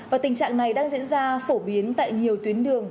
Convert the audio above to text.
và tình trạng này đang diễn ra phổ biến tại nhiều tuyến đường